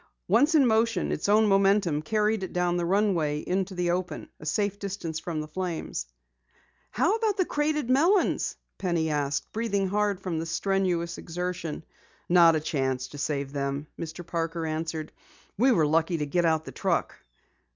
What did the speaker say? Once in motion its own momentum carried it down the runway into the open, a safe distance from the flames. "How about the crated melons?" Penny asked, breathing hard from the strenuous exertion. "Not a chance to save them," Mr. Parker answered. "We were lucky to get out the truck."